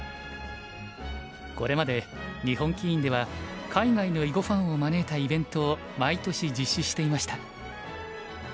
これまで日本棋院では海外の囲碁ファンを招いたイベントを毎年実施していました。